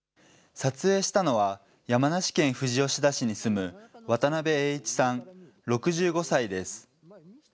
撮影したのは、山梨県富士吉田市に住む渡辺英一さん６５歳です。